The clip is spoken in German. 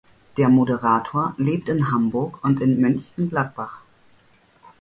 Der Moderator lebt in Hamburg und in Mönchengladbach.